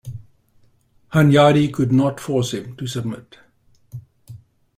Hunyadi could not force him to submit.